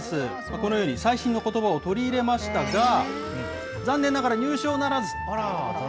このように最新のことばを取り入れましたが、残念ながら、優勝ならず。